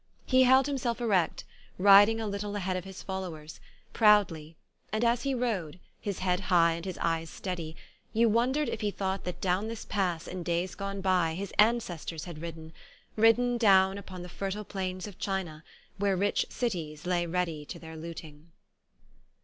He held himself erect, riding a little ahead of his followers, proudly, and as he rode, his head high and his eyes steady, you wondered if he thought that down this pass in days gone by his ancestors had ridden, ridden down upon the fertile plain of China where rich cities lay ready to their looting.